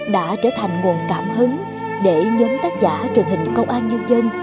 đã trở thành nguồn cảm hứng để nhóm tác giả truyền hình công an nhân dân